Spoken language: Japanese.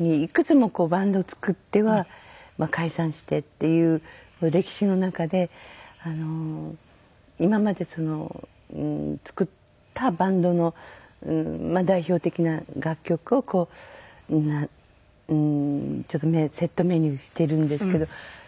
いくつもバンドを作っては解散してっていう歴史の中で今まで作ったバンドの代表的な楽曲をこうセットメニューしてるんですけど。